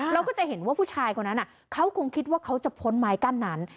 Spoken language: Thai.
เราก็จะเห็นว่าผู้ชายคนนั้นเขาคงคิดว่าเขาจะพ้นไม้กั้นนั้น